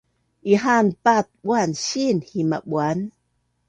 Ihaan paat buan siin hima buan